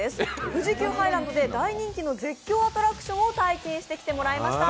富士急ハイランドで大人気の絶叫アトラクションを体験してきてくれました。